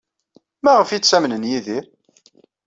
Maɣef ay ttamnen Yidir?